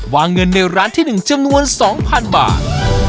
วางเงินในร้านที่๑จำนวน๒๐๐๐บาท